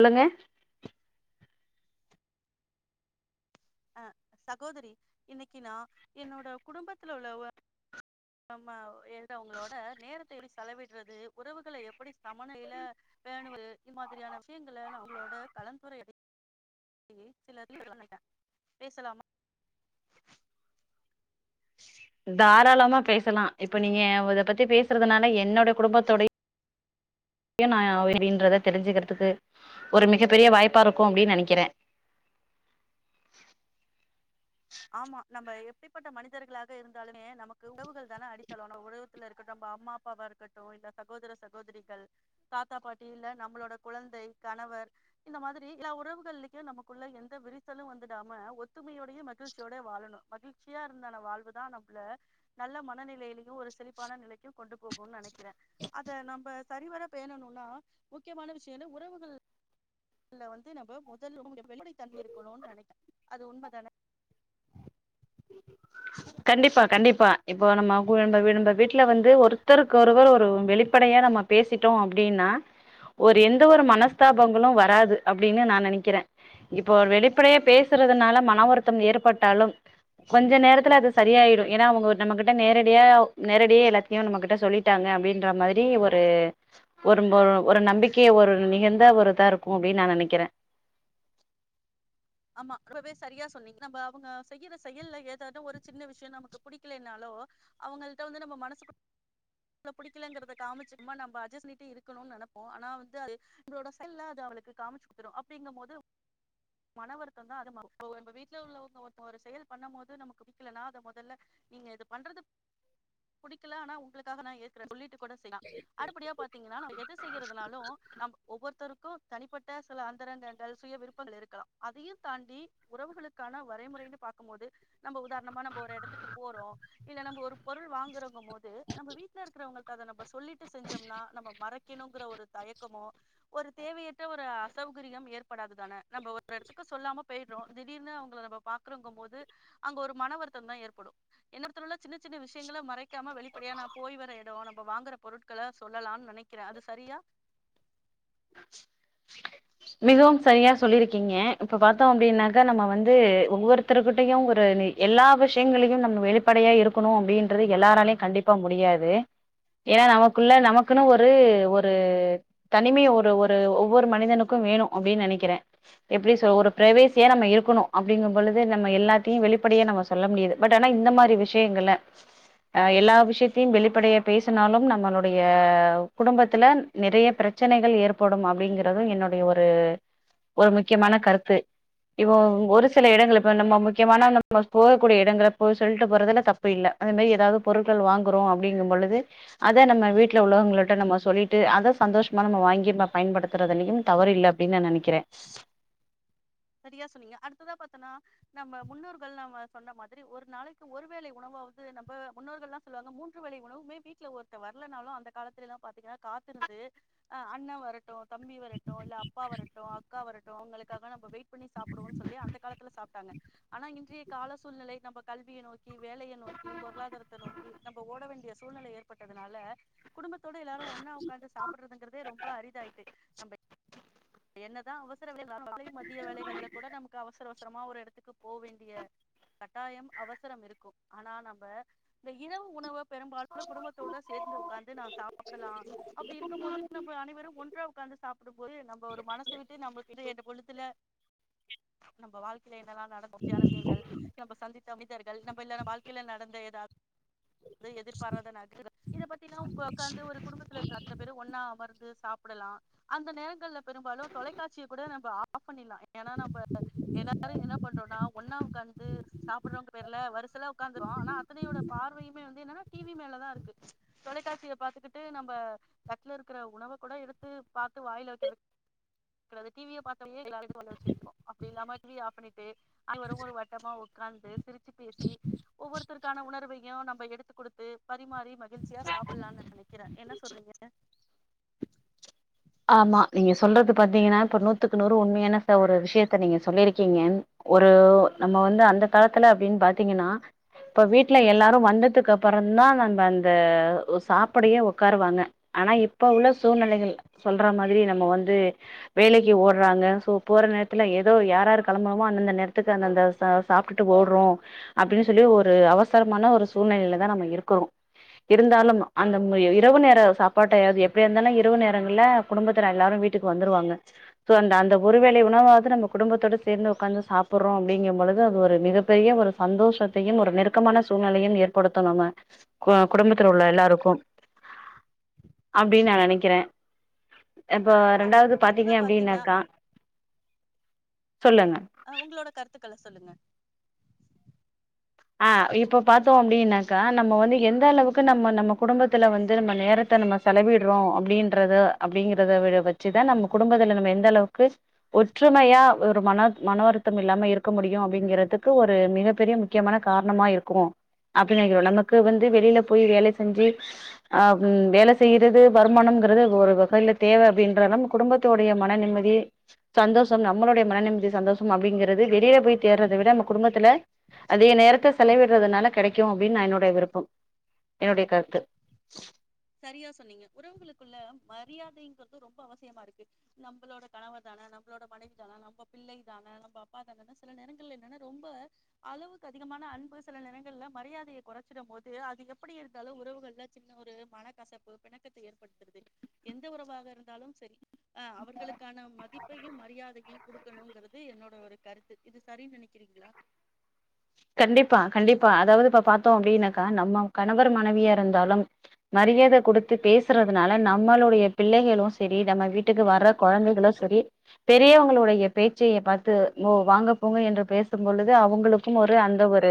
ல்லுங்க அ சகோதரி இன்னைக்கி நா என்னோட குடும்பத்துல உள்ள வ நம்ம எழுடவங்களோட நேரத்தை எப்டி செலவிடுறது உறவுகள எப் அப்டி சமநையில பேணுவது இது மாதிரியான விஷயங்க ந அவங்களோட கலந்துரை ஆட [unintelligible] பேசலாமா தாராளமா பேசலா இப்ப நீங்க இத பத்தி பேசுறதுனால என்னோட குடும்பத்தோடைய நா அப்டின்றதை தெரிஞ்சுக்கிறதுக்கு ஒரு மிகப்பெரிய வாய்ப்பா இருக்கு அப்டின்னு நெனைக்கிறே ஆமா நம்ம எப்படிப்பட்ட மனிதர்களாக இருந்தாலுமே நமக்கு உறவுகள் தானே அடித்தள நம்ம உலகத்துல இருக்கட்டு நம்ம அம்மா அப்பாவா இருக்கட்டு இல்ல சகோதர சகோதரிகள் தாத்தா பாட்டி இல்ல நம்மளோட குழந்தை கணவர் இந்த மாதிரி எல்லா உறவுகளையு நமக்குள்ள எந்த விரிசலு வந்துடாம ஒத்துமையோடைய க்ழ்சிசோடே வாழணு மகிழ்ச்சியா இருந்தான வாழ்வுதா நம்மள நல்ல மனநிலையிலயையு ஒரு செழிப்பான நிலைக்கும் கொண்டு போகும்னு நெனைக்கிறே அத நம்ம சரிவர்ப பேணணும்னா முக்கியமான விஷயம் என்ன உறவுகள்ல வந்து நம்ம முதலும் வெளிபடை தன்மை இருக்கணும்னு நெனைக்கே அது உண்மதானே கண்டிப்பா கண்டிப்பா இப்போ நம்ம [unintelligible] ந நம்ம வீட்டுல வந்து ஒருத்தருக்கொருவர் ஒரு வெளிப்படையா நம்ம பேசிட்டோ அப்டின்னா ஒரு எந்த ஒரு மனஸ்தாபங்களும் வராது அப்டின்னு நா நெனைக்கிறே இப்போ ஒரு வெளிப்படையா பேசுறதுனால மன வருத்தோ ஏற்பட்டாலு கொஞ்ச நேரத் த்துல அது சரியயிடு ஏன்னா அவங்க நம்ம கிட்ட நேரடியா நேரடிய எல்லாத்தையு நம்ம கிட்ட சொல்லிட்டாங்க அப்டின்ற மாரி ஒரு ஒரு ஒரு நம்பிக்கைய ஒரு மிகந்த ஒரு இதா இருக்கு அப்டின்னு நா நெனைக்கிறே ஆமா ரொம்பவே சரியா சொன்னீங்க நம்ம அவங்க செய்யற செயல்ல ஏதாவது ஒரு சின்ன விஷயோ நமக்கு புடிக்கலனாலோ அவங்கள்ட்ட வந்து நம்ம மனசு [unintelligible] புடிக்கலங்கிறத காமிச்சுோமா நம்ம அட்ஜஸ்ட் பண்ணிட்டே இருக்கணும்னு நெனைப்போ ஆனா வந்து அது நமளோட செயல்லல அது அவளுக்கு காமிச்சு குடுத்துரு அப்டிங்கும் போது மன வருத்தம் தா அது [unintelligible] வீட்டுல உள்ளவங்க ஒரு செயல் பண்ணும் போது நமக்கு புடிக்கலனா அத மொதல்ல நீங்க இது பண்றது புடிக்கல ஆனா உங்களுக்காக நா ஏக்குறே சொல்லிட்டு கூட செய்யலா அடிப்படியா பாத்தீங்கன்னா ந எத செய்யறதுனாலு நம்ம ஒவ்வொருத்தருக்கு தனிப்பட்ட சில அந்தரங்கங்கள் சுய விருப்பங்கள் இருக்கலா அதையு தாண்டி உறவுகளுக்கான வரைமுறைையன்னு பாக்க போது நம்ம உதாரணமா நம்ம ஒரு இடத்துக்கு போறோம் இல்ல நம்ம ஒரு பொருள் வாங்குறவங்க போது நம்ம வீட்டுல இருக்கிறவங்கள்ட அத நம்ம சொல்லிட்டு செஞ்சோம்னா நம்ம மறைக்கணுங்கிற ஒரு தயக்கமோ ஒரு தேவையற்ற ஒரு அசோகரியம் ஏற்படாதுதானே நம்ம ஒரு எடத்துக்கு சொல்லாம போயிடுறோ திடீர்னு அவங்கள நம்ம பாக்குறோங்கும் போது அங்க ஒரு மன வருத்த தா ஏற்படு என்ன [unintelligible] உள்ள சின்ன சின்ன விஷயங்க மறைக்காம வெளிப்படையா நா போய் வர இடோ நம்ம வாங்குற பொருட்களை சொல்லலாம்னு நெனைக்கிறே அது சரியா மிகவும் சரியா சொல்லிருக்கீங்க இப்ப பாத்தோ அப்டின்னாக்கா நம்ம வந்து ஒவ்வொருத்தருர்கிட்டையு ஒரு எல்லா விஷயங்களையு நம்ம வெளிப்படையா இருக்கணு அப்டின்றது எல்லாராலயு கண்டிப்பா முடியாது ஏன்னா நமக்குள்ள நமக்குன்னு ஒரு ஒரு தனிமை ஒரு ஒரு ஒவ்வொரு மனிதனு க்கும் வேணு அப்டின்னு நெனைக்கிறே எப்டி சொ ஒரு பிரவேசியா நம்ம இருக்கணு அப்டிங்கும்பொழுது நம்ம எல்லாத்தையு வெளிப்படையா நம்ம சொல்ல முடியது பட் ஆனா இந்த மாரி விஷயங்கள ஆ எல்லா விஷயத்தையும் வெளிப்படையா பேசினாலும் நம்மளுடைய குடும்பத்துல நிறைய பிரச்சனைகள் ஏற்படும் அப்டிங்கறதும் என்னோட் டைய ஒரு ஒரு முக்கியமான கருத்து இப்போ ஒரு சில இடங்களுக்கு இப்ப நம்ம முக்கியமான நம்ம போகக்கூடிய இடங்கள போய் சொல்ட்டு போறதுல தப்பு இல்ல அதே மாரி ஏதாவது பொருட்கள் வாங்குறோ அப்டிங்கும் பொழுது அத நம்ம வீட்ல உள்ளவங்கள்ட்ட நம்ம சொல்லிட்டு அத சந்தோஷமா நம்ம வாங்கி நம்ம பயன்படுத்துறதுலயு தவறு இல்ல அப்டின்னு நா நெனைக்கிறே சரியா சொன்னீங்க அடுத்ததா பாத்தீன்னா நம்ம முன்னோர்கள் நம்ம சொன்ன மாதிரி ஒரு நாளைக்கு ஒரு வேளை உணவாவது நம்ம முன்னோர்கள்ல்லாம் சொல்லுவாங்க மூன்று வேளை உணவுமே வீட்டுல ஒருத்த வரலனாலும் அந்த காலத்துல எல்லாம் பாத்தீங்கன்னா காத்திருந்து அஹ் அண்ணன் வரட்டும் தம்பி வரட்டு இல்ல அப்பா வரட்டு அக்கா வரட்டு அவங்களுக் காக நம்ப வெயிட் பண்ணி சாப்பிடுவோம்னு சொல்லி அந்த காலத்துல சாப்ட்டாங்க ஆனா இன்றைய கால சூழ்நிலை நம்ம கல்வியை நோக் க்கி வேலைய நோக்கி பொருளாதாரத்த நோக்கி நம்ப ஓட வேண்டிய சூழ்நிலை ஏற்பட்டதுனால குடும்பத்தோட எல்லாரு ஒன்னா உக்காந்து சாப்டுறதுங்கறதே ரொம்ப அரிதாயிட்டு நம்ம என்னதா அவசர வேல [unintelligible] மதிய வேலைகள்ல கூட நமக்கு அவசர அவசர் அப்பறமா ஒரு இடத்துக்கு போ வேண்டிய கட்டாயம் அவசரம் இருக்கும் ஆனா நம்ம இந்த இரவு உணவ பெரும்பாலு குடும்பத்தோட சேர்ந்து உக்காந்து நாம சாப்பிடலா அப்டி இருக்கும் போது நம்ம அனைவரும் ஒன்றா உட்கார்ந்து சாப்பிடும் போது நம் ப்போ ஒரு மனசு விட்டு நம்மளுக்கு [unintelligible] பொழுதுல நம்ப வாழ்க்கையில [unintelligible] விஷயங்கள் நம்ப சந்தித் மனிதர்கள் நம்ப இல்லன்னா வாழ்க்கையில நடந்த ஏதாவது து எதிர்பாராத [unintelligible] இத பத்தில்லா உக் உக்காந்து ஒரு குடும்பத்துல இருக்க அத்தன பேரு ஒன்னா அமர்ந்து து சாப்பிடலா அந்த நேரங்கள்ல பெரும்பாலு தொலைக்காட்சிய கூட நம்ப ஆஃப் பண்ணில்லா ஏனா நம்ப எல்லாரு என்ன பண்றோனா ஒன்னா உக்காந்து சாப்டறங்குற பேருல வருசலா உக்காந்தர்றோ ஆனா அத்தனையோட பார்வையுமே வந்து என்னனா டிவி மேல தா இருக்கு தொலைக்காட்சிய பாத்துகிட்டு நம்ப தட்ல இருக்ற உணவ கூட எடுத்து பாத்து வாயில வைக்கிற அப்ற அந்த டி வி ய பாக்கலயே [inaudible] வச்சுட்ருக்கு அப்டி இல்லாம டி வி ய ஆஃப் பண்ணிட் து அனைவரும் ஒரு வட்டமா உக் உக்காந்து சிரிச் ச்சி பேசி ஒவ்வொருத் த்தரருக்கான உணர்வையு நம்ப எடுத்து குடுத்து பரிமாறி மகி மகிழ்ச்சியா சாப்புல்லான் நெனைக்கறே என்ன சொல்றிங்க ஆமா நீங்க சொல்றது பாத்திங்கனா இப்ப நூத்துக்கு நூறு உண்மையானா ச ஒரு விஷயத்த நீங்க சொல்லிருக்கிங்கன் ஒரு நம்ம வந்து அந்த காலத்துல அப்பிடின் பாத்திங்கனா இப்ப வீட்ல எல்லாரு வந்ததுக்கப்றந்தா நம்ம அந்த சாப்படையே உக்காருவாங்க ஆனா இப்ப உள்ள சூழ்நிலைகள் சொல்ற மாதிரி நம்ம வந்து வேலைக்கு ஓடறாங்க சோ போற நேரத்துல ஏதோ யாராரு கெளம்பறமோ அந்தந்த நேரத்துக்கு அந்தந்த ச சாப்டுட்டு ஓடறோ அப்டினு சொல்லி ஒரு அவசரமான ஒரு சூழ்நிலையில தா நம்ம இருக்கறோ இருந்தாலும் அந்த இரவு நேர சாப்பாட்டயாது எப்படியாருந்தாலு இரவு நேரம் ங்கள்ல குடும்பத்துல எல்லாரு வீட்டுக்கு வந்துருவாங்க சோ அந்த அந்த ஒரு வேளை உணவாவது நம்ம குடும்பத்தோட சேர்ந்து உக்காந்து சாப்புடறோ அப்படிங்கிம் பொழுது அது ஒரு மிகப்பெரிய ஒரு சந்தோஷத்தையும் ஒரு நெருக்கமான சூழ்நிலையும் ஏற்படுத்து நம்ம கு குடும்பத்துல உள்ள எல்லாருக்கு அப்டின் நா நெனைக்கிறே இப்போ ஆமா ரெண்டாது பாத்தீங்க அடுத்ததா பாத்தீங்கன்னா அப்டினாக்கா சொல்லுங்க ஹலோ சொல்லுங்க ஆ இப்ப பாத்தோ அப்டினாக்கா நம்ம வந்து எந்த அளவுக்கு நம்ம நம்ம குடும்பத்துல வந்து நம்ம நேரத்த நம்ம செலவிடறோ அப்டின்றது அப்படிங்கறத வ வச்சுதா நம்ம குடும்பத்துல நம்ம எந்த அளவுக்கு ஒற்றுமையா ஒரு மன மன வருத்தமில்லாம இருக்க முடியு அப்படிங்கறதுக்கு ஒரு மிகப்பெரிய முக்கியமான காரணமா இருக்கு அப்டின் நெனைக்கிறோ நமக்கு வந்து வெளில போயி வேலை செஞ்சு ஆ வேல செய்யிறது வருமானம்ங்கறது ஒரு வகையில தேவ அப்படின்ற நம் குடும்பத்தொடைய மன நிம்மதி சந்தோஷம் நம்மளுடைய மன நிம்மதி சந்தோஷம் அப்டிங்கறது வெளில போய் தேடறத விட நம்ம குடும்பத்துல அதிக நேரத்த செலவிடறதனால கெடைக்கு அப்படினு நா என்னுடைய விருப்பம் என்னுடைய கருத்து சரியா சொன்னிங்க உறவுகளுக்குள்ள மரியாதைங்றது ரொம்ப அவசியமா இருக்கு நம்மளோட கணவர் தான நம்மளோட மனைவி தான நம்ம பிள்ளை தான நம்ம அப்பா தானனு சில நேரங்கள்ல என்னன்னா ரொம்ப அளவுக்கு அதிகமான அன்பு சில நேரங்கள்ல மரியாதையை குறைச்சிடும் போது அது எப்படி இருந்தாலு உறவுகள்ல சின்ன ஒரு மனக்கசப்பு பிணக்கத்த ஏற்படுத்தறது எந்த உறவாக இருந்தாலும் சரி ஆ அவர்களுக்கான மதிப்பையும் மரியாதையும் குடுக் இருக்கணுங்கறது என்னோட ஒரு கருத்து இது சரின்னு நெனைக்கிறிங்ளா கண்டிப்பா கண்டிப்பா அதாவது இப்ப பாத்தோ அப்டினாக்கா நம்ம கணவர் மனைவியா இருந்தாலும் மரியாதை குடுத்து பேசுறதுனால நம்மளுடைய பிள்ளைகளு சரி நம்ம வீட்டுக்கு வர்ற கெழந்தைகளு சரி பெரியவங்களுடைய பேச்சைய பாத்து ஓ வாங்க போங்க என்று பேசும் பொழுது அவங்களுக் ம் ஒரு அந்த ஒரு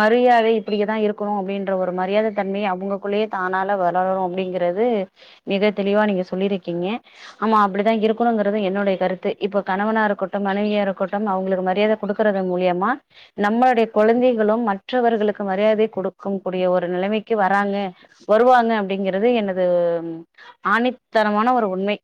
மரியாதை இப்படிதா இருக்கணு அப்படின்ற ஒரு மரியாதை தன்மை அவங்களுக்குள்ளேயே தானால வளரனு அப்டிங்கறது மிக தெளிவா நீங்க சொல்லிருக்கிங்க ஆமா அப்படிதா இருக்கணுங்றது என்னுடைய கருத்து இப்ப கணவனா இருக்கட்டும் மனைவியா இருக்கட்டும் அவங்களுக்கு மரியாத குடுக்கறது மூலியமா நம்மளுடைய குழந்தைகளும் மற்றவர்களுக்கு மரியாதை கொடுக்க கூடிய ஒரு நிலைமைக்கு வராங்க வருவாங்க அப்படிங்கிறது எனது ஆணித்தனமான ஒரு உண்மை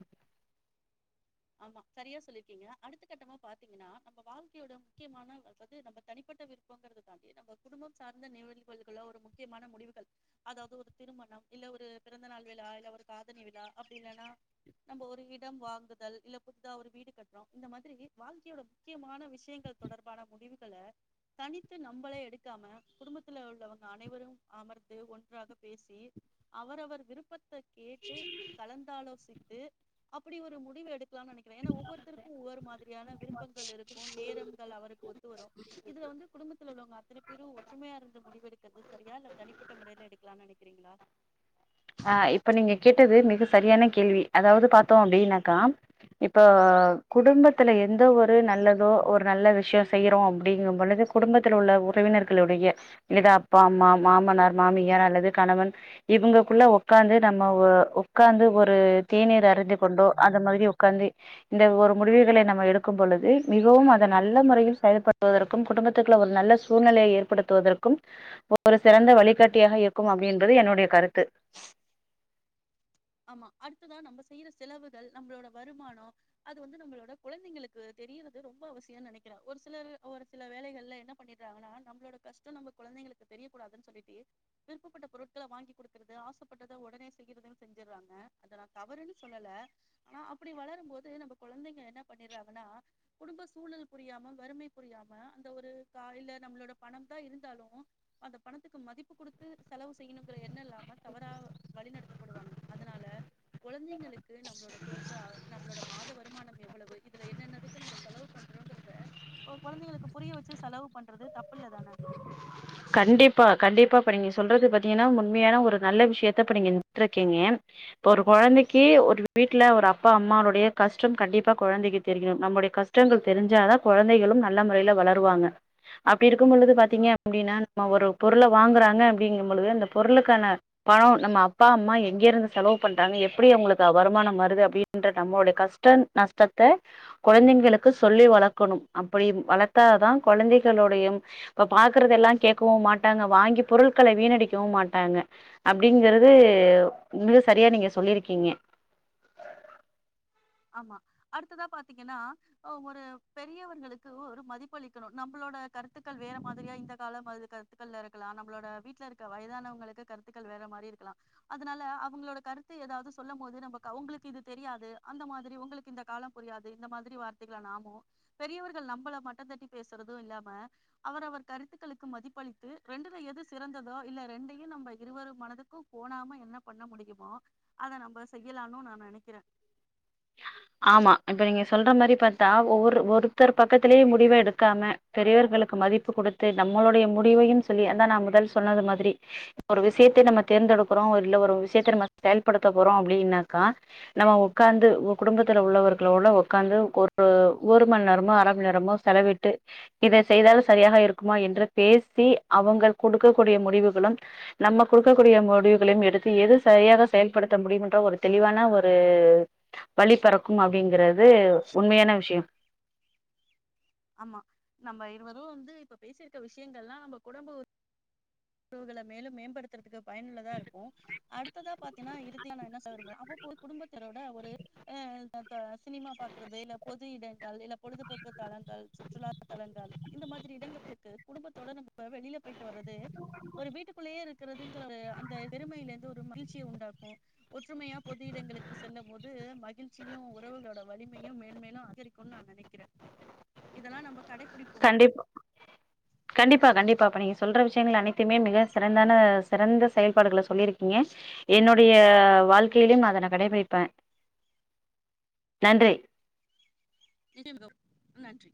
ஆமா சரியா சொல்லிருக்கிங்க அடுத்த கட்டமா பாத்திங்கனா நம்ம வாழ்க்கையோட முக்கியமான அதது நம்ம தனிப்பட்ட விருப்பங்கறது தாண்டி நம்ம குடும்பம் சார்ந்த நிகழ்வுகளோ ஒரு முக்கியமான முடிவுகள் அதாவது ஒரு திருமணம் இல்ல ஒரு பிறந்தநாள் விழா இல்ல ஒரு காதணி விழா அப்டி இல்லனா நம்ம ஒரு இடம் வாங்குதல் இல்ல புதுசா ஒரு வீடு கட்றோ இந்த மாதிரி வாழ்க்கையோட முக்கியமான விஷயங்கள் தொடர்பான முடிவுகள தனித்து நம்மளே எடுக்காம குடும்பத்துல உள்ளவங்க அனைவரும் அமர்ந்து ஒன்றாக பேசி அவரவர் விருப்பத்த கேட்டு கலந்தாலோசித் து அப்புடி ஒரு முடிவு எடுத் னு நினைக்கிறேன் ஏன்னா ஒவ்வொருத்தருக்கும் ஒவ்வொரு மாதிரியான விருப்பங்கள் இருக்கும் நேரங்கள் அவருக்கு ஒத்து வரும் இதுல வந்து குடும்பத்துல உள்ளவங்க அத்தனை பேரும் ஒற்றுமையா இருந்து முடிவெடுக்கறிறது சரியா இல்ல தனிப்பட்ட முறையில எடுக்கலாம்னு நினைக்கிறீங்களா அ இப்ப நீங்க கேட்டது மிக சரியான கேள்வி அதாவது பாத்தோம் அப்டின்னாக்கா இப்ப குடும்பத்துல எந்த ஒரு நல்லதோ ஒரு நல்ல விஷியே செய்றோ அப்டிங்கும் பொழுது குடும்பத்துல உள்ள உறவினர்களுடைய இதா அப்பா அம்மா மாமனார் மாமியார் அல்லது கணவன் இவுங்க குள்ள உக்காந்து நம்ம உக்காந்து ஒரு தேநீர் அருந்தி கொண்டோ அது மாத்ரி உக்காந்து இந்த ஒரு முடிவுகள நம்ம எடுக்கு பொழுது மிகவு அத நல்ல மொறையில செயல்படுவதற்கு குடும்பத்துக்குள்ள ஒரு நல்ல சூழ்நிலைய ஏற்படுத்துவதற்கு ஒரு சிறந்த வழிகாட்டியாக இருக்கு அப்டின்றது என்னுடைய கருத்து ஆமா அடுத்ததா நம்ம செய்யிற செலவுகள் நம்மளோட வருமான அது வந்து நம்மளோட கொழந்தைங்களுக்கு தெரியறது ரொம்ப அவசியோ நெனைக்கிறே ஒரு சிலர் ஒரு சில வேலைகள்ல என்ன பண்ணிடுறாங்கன்னா நம்மளோட கஷ்டோ நம்ம கொழந்தைங்களுக்கு தெரிய கூடாதுன்னு சொல்லிட்டு விருப்பப்பட்ட பொருட்கள வாங்கி குடுக்குறது ஆசைப்பட்டத ஒடனே செய்யறதுன் செஞ்சடுறாங்க அத நா தவறுன்னு சொல்லல ஆனா அப்டி வளரும் போது நம்ம குழந்தைங்க என்ன பண்ணடுறாங்கன்னா குடும்ப சூழல் புரியாம வறுமை புரியாம அந்த ஒரு கா இல்ல நம்மளோட பணம் தான் இருந்தாலும் அந்த பணத்துக்கு மதிப்பு குடுத்து செலவு செய்யணுங்கிற எண்ணம் இல்லாம தவறா வழிநடத்தப்படுவாங்க அதனால கொழந்தைங்களுக்கு நம்மளோட குடும்ப நம்மளோட மாத வருமான எவ்வளவு இதுல என்னென்னதுக்கு நம்ம செலவு பண்றோங்கறத கொழந்தைங்களுக்கு புரிய வச்சு செலவு பண்றது தப்புலதான கண்டிப்பா கண்டிப்பா இப்ப நீங்க சொல்றது பாத்தீங்கன்னா உண்மையான ஒரு நல்ல விஷியத்த இப்ப நீங்க [unintelligible] இருக்கீங்க இப்ப ஒரு கொழந்தைக்கி ஒரு வீட்டுல ஒரு அப்பா அம்மானுடைய கஷ்ட கண்டிப்பா கொழந்தைக்கு தெரியிணு நம்மளுடைய கஷ்டங்கள் தெரிஞ்சாதா கொழந்தைகளு நல்ல முறையில வளருவாங்க அப்டி இருக்கு பொழுது பாத்தீங்க அப்டின்னா நம்ம ஒரு பொருள வாங்குறாங்க அப்டிங்கும் பொழுது அந்த பொருளுக்கான பணம் நம்ம அப்பா அம்மா எங்க இருந்து செலவு பண்றாங்க எப்டி அவுங்குளுக்கு வருமானம் வருது அப்டின்ற நம்மளுடைய கஷ்ட நஷ்டத்த கெழந்தைங்களுக்கு சொல்லி வளர்க்கணும் அப்டி வளர்த்ததா கெழந்தைகளுட இப்ப பாக்குறதெல்லா கேட்கவு மாட்டாங்க வாங்கி பொருட்கள வீணடிக்கவு மாட்டாங்க அப்டிங்கறது உங்க சரியா நீங்க சொல்லிருக்கீங்க ஆமா அடுத்ததா பாத்தீங்கன்னா ஒரு பெரியவர்களுக்கு ஒரு மதிப்புளிக்கணு நம்புளோட கருத்துக்கள் வேற மாத்ரியா இந்த கால அது கருத்துக்கள்ல இருக்கலா நம்மளோட வீட்டுல இருக்க வயதானவங்களுக்கு கருத்துக்கள் வேற மாரி இருக்கலா அதனால அவுங்களோட கருத்து ஏதாவுது சொல்லு போது நமக்கு அவுங்களுக்கு இது தெரியாது அந்த மாதிரி உங்களுக்கு இந்த காலம் புரியாது இந்த மாதிரி வார்த்தைகளை நாமும் பெரியவர்கள் நம்மளை மட்ட தட்டி பேசுறது இல்லாம அவர் அவர் கருத்துக்களுக்கு மதிப்பளித்து ரெண்டுல எது சிறந்ததோ இல்ல ரெண்டையு நம்ம இருவர் மனதுக்கு கோனாம என்ன பண்ண முடியுமோ அத நம்ம செய்யலாம்னு நா நெனைக்கிற ஆமா இப்ப நீங்க சொல்ற மாரி பாத்தா ஒவ்வொரு ஒருத்தர் பக்கத்திலேயே முடிவ எடுக்காம பெரியவர்களுக்கு மதிப்பு குடுத்து நம்மளுடைய முடிவையு சொல்லி அதா நா முதல் சொன்னது மாரி ஒரு விஷியத்த நம்ம தேர்ந்தெடுக்கறோ இல்ல ஒரு விஷியத்த நம்ம செயல்படுத்த போறோ அப்டின்னாக்கா நம்ம உக்காந்து குடும்பத்துல உள்ளவர்களோட உட்காந்து ஒரு ஒரு மணி நேரமோ அர மண் நேரமோ செலவிட்டு இத செய்தால சரியாக இருக்குமா என்று பேசி அவங்க குடுக்கக்க கூடிய முடிவுகளும் நம்ம குடுக்கக்கூடிய முடிவுகளையும் எடுத்து எது சரியாக செயல்படுத்த முடியும்ன்ற ஒரு தெளிவான ஒரு வழி பெறக்கு அப்டிங்கறது உண்மையான விஷ்யோ ஆமா நம்ம இருவரும் வந்து இப்ப பேசிருக்க விஷயங்கள்லா நம்ம குடும்ப உறவுகள மேலும் மேம்படுத்துறதுக்கு பயனுள்ளதா இருக்கும் அடுத்ததா பாத்தீனா இறுதியா நா என்ன சொல்ல விரும்பற அவ்வப்போது குடும்பத்தினரோட ஒரு அஹ் [unintelligible] சினிமா பாக்குறது இல்ல பொது இடங்கள் இல்ல பொழுதுபோக்கு தலங்கள் சுற்றுலா தலங்கள் இந்த மாதிரி இடங்களுக்கு குடும்பத்தோட நம்ம வெளியில போயிட்டு வர்றது ஒரு வீட்டுக்குள்ளேயே இருக்கிறதுங்கிற அந்த அந்த வெறுமையில இருந்து ஒரு மகிழ்ச்சிய உண்டாக்கும் ஒற்றுமையா பொது இடங்களுக்கு செல்லும் போது மகிழ்ச்சியு உறவுகளோட வலிமையு மேன்மேலும் அதிகரிக்குன்னு நா நெனைக்கிறே இதெல்லா நம்ம கடை கண்டிப்பா கண்டிப்பா கண்டிப்பா இப்ப நீ சொல்ற விஷயங்கள் அனைத்துமே மிக சிறந்தான சிறந்த செயல்பாடுகளை சொல்லியிருக்கீங்க என்னுடைய வாழ்க்கையிலையு நா அத கடைபிடிப்பே நன்றி [inaudible] நன்றி